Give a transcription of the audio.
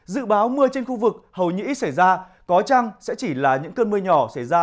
dự báo mưa trên khu vực hầu như ít xảy ra có chăng sẽ chỉ là những cơn mưa nhỏ xảy ra